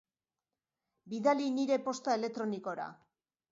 Bidali nire posta elektronikora.